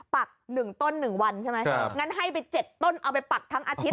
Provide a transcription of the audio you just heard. ปักหนึ่งต้นหนึ่งวันใช่ไหมใช่งั้นให้ไปเจ็ดต้นเอาไปปักทั้งอาทิตย์